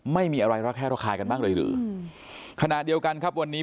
ไม่มีอะไรระแคะระคายกันบ้างเลยหรือขณะเดียวกันครับวันนี้